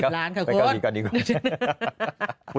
๕๐ล้านค่ะคุณ